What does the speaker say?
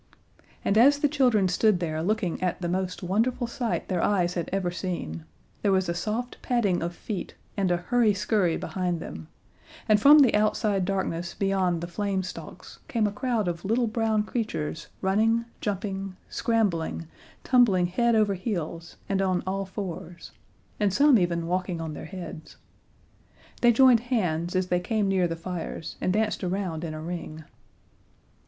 And as the children stood there looking at the most wonderful sight their eyes had ever seen, there was a soft padding of feet and a hurry scurry behind them, and from the outside darkness beyond the flame stalks came a crowd of little brown creatures running, jumping, scrambling, tumbling head over heels and on all fours, and some even walking on their heads. They joined hands as they came near the fires and danced around in a ring.